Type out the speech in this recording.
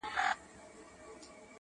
مرحوم حاجي عبدالحق کندهاري.